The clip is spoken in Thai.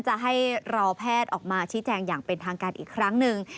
จะให้รอแพทย์ออกมาชี้แจงอย่างเป็นทางการอีกครั้งหนึ่ง